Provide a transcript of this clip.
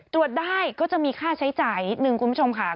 ตรวจได้ก็จะมีค่าใช้จ่ายหนึ่งคุณผู้ชมค่ะครับผม